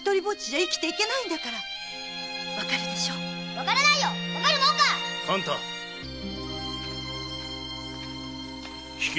わからないよわかるもんか勘太聞き分けるんだ。